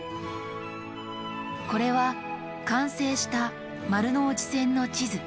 これは完成した丸ノ内線の地図。